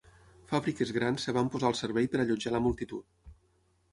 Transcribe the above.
Fàbriques grans es van posar al servei per allotjar la multitud.